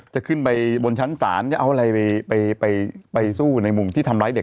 จะขึ้นไปบนชั้นศาลจะเอาอะไรไปสู้ในมุมที่ทำร้ายเด็ก